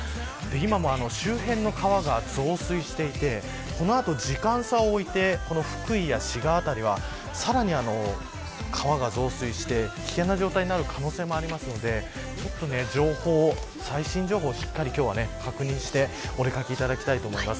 今も、周辺の川が増水していてこの後、時間差を置いて福井や滋賀辺りはさらに川が増水して危険な状態になる可能性もありますので最新情報をしっかり今日は確認してお出掛けしていただきたいと思います。